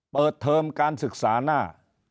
เปิดเทอมการศึกษาหน้า